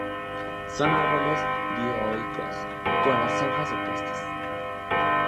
Son árboles dioicos con las hojas opuestas.